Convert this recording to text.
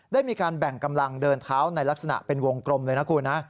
ได้มีการแบ่งกำลังเดินเท้าในลักษณะเป็นวงกลมเลยนะคุณนะ